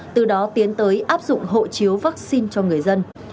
từ đó tiến tới áp dụng hộ chiếu vaccine cho người dân